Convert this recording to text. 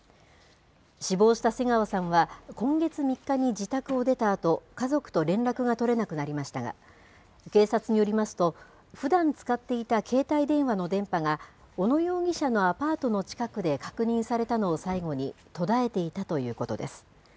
死亡した瀬川さんは今月３日に自宅を出たあと、家族と連絡が取れなくなりましたが、警察によりますと、ふだん使っていた携帯電話の電波が、小野容疑者のアパートの近くで確認されたのを最後に途絶えていたということです。